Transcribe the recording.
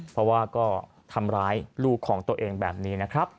เพราะว่าก็ทำร้ายลูกของตัวเองแบบนี้นะครับ